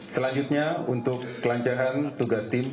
selanjutnya untuk kelancaran tugas tim